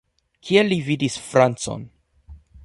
Kie li vidis francon?